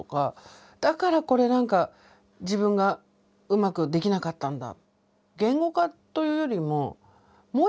「だからこれ何か自分がうまくできなかったんだ」。